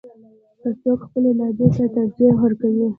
که څوک خپلې لهجې ته ترجیح ورکوي.